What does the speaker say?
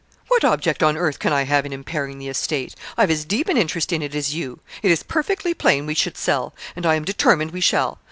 What object on earth can I have in impairing the estate? I've as deep an interest in it as you. It is perfectly plain we should sell; and I am determined we shall.